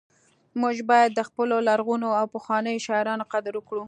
موږ باید د خپلو لرغونو او پخوانیو شاعرانو قدر وکړو